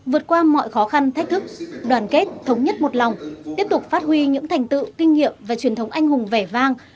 vượt qua mọi khó khăn thách thức đoàn kết thống nhất một lòng tiếp tục phát huy những thành tựu kinh nghiệm và truyền thống anh hùng vẻ vang